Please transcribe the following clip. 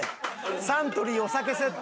サントリーお酒セット。